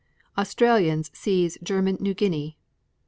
Australians seize German New Guinea.